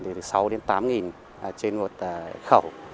được sáu đến tám nghìn trên một khẩu